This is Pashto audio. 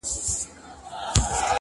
مسافرۍ کي دي ايره سولم راټول مي کړي څوک’